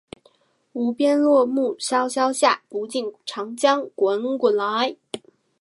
无边落木萧萧下，不尽长江滚滚来